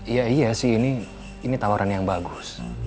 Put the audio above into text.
iya iya sih ini tawaran yang bagus